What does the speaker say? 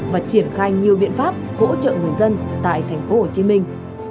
và triển khai nhiều biện pháp hỗ trợ người dân tại thành phố hồ chí minh